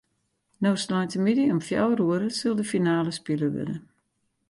No sneintemiddei om fjouwer oere sil de finale spile wurde.